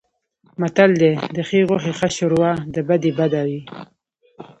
متل دی: د ښې غوښې ښه شوروا د بدې بده وي.